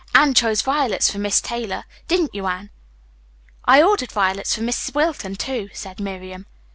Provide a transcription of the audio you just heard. Anne chose violets for Miss Taylor, didn't you, Anne?" "I ordered violets for Miss Wilton, too," said Miriam.